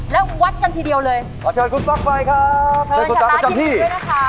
ช่วยด้วยนะค่ะ